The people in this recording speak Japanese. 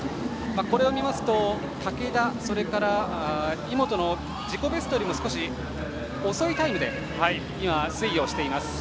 これを見ますと竹田、井本の自己ベストよりも少し遅いタイムで今、推移をしています。